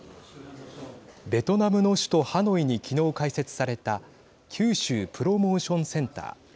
ベトナムの首都ハノイに昨日開設された九州プロモーションセンター。